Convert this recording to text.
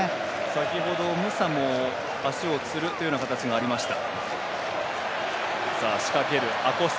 先ほどムサも足をつるという形がありました。